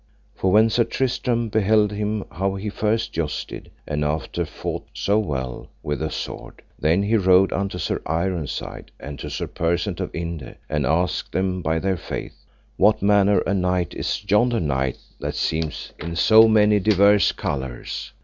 For when Sir Tristram beheld him how he first jousted and after fought so well with a sword, then he rode unto Sir Ironside and to Sir Persant of Inde, and asked them, by their faith, What manner a knight is yonder knight that seemeth in so many divers colours?